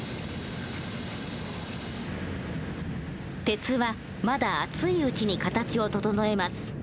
鉄はまだ熱いうちに形を整えます。